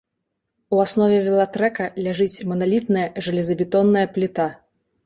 У аснове велатрэка ляжыць маналітная жалезабетонная пліта.